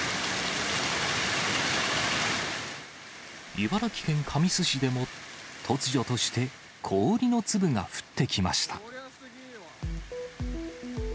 茨城県神栖市でも、突如として氷の粒が降ってきました。